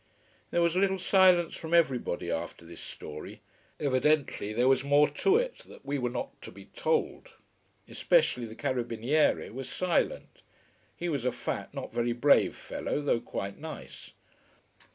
There was a little silence from everybody after this story. Evidently there was more to it, that we were not to be told. Especially the carabiniere was silent. He was a fat, not very brave fellow, though quite nice.